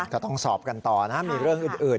ก็ต้องสอบกันต่อนะมีเรื่องอื่น